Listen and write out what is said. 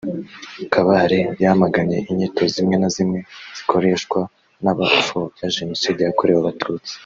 Kabare yamaganye inyito zimwe na zimwe zikoreshwa n’abapfobya Jenoside yakorewe Abatutsi